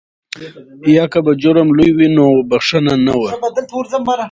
یا که به جرم لوی و نو بخښنه نه وه.